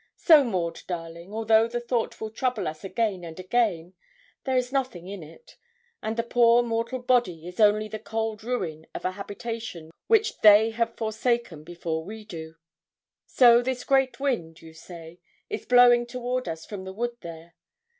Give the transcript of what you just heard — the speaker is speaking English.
So Maud, darling, although the thought will trouble us again and again, there is nothing in it; and the poor mortal body is only the cold ruin of a habitation which they have forsaken before we do. So this great wind, you say, is blowing toward us from the wood there.